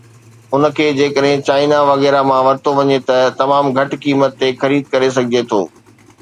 ان کي جيڪڏهن چائنا وغيره مان ورتو وڃي ته تمام گهٽ قيمت تي خريد ڪري سگهجي ٿو